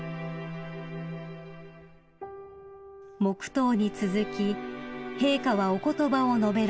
［黙とうに続き陛下はお言葉を述べられました］